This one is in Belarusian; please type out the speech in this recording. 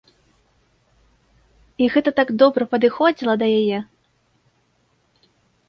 І гэта так добра падыходзіла да яе!